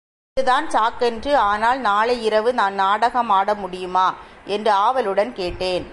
இதுதான் சாக்கென்று, ஆனால் நாளை இரவு நான் நாடகம் ஆட முடியுமா? என்று ஆவலுடன் கேட்டேன்.